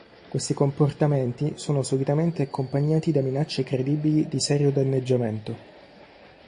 Questi comportamenti sono solitamente accompagnati da minacce credibili di serio danneggiamento.